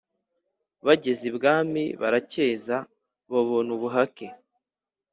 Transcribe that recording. bageze ibwami barakeza babona ubuhake;